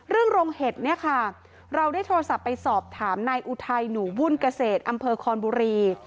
เรื่องโรงเห็ดเราได้โทรศัพท์ไปสอบถามนายอุทัยหนูบุญเกษตรอำเภอคอนบุรี